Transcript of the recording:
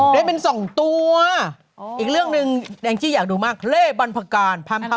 ได้เป็นสองตัวอีกเรื่องหนึ่งแดงชี้อยากดูมากเล่บันหาการแบบเล่ม